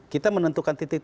kita menentukan titik titiknya